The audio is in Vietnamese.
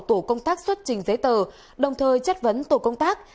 tổ công tác xuất trình giấy tờ đồng thời chất vấn tổ công tác